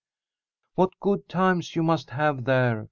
"What good times you must have there!"